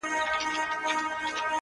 اوس له ګوتو د مطرب ويني را اوري!